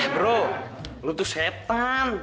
bro lo tuh setan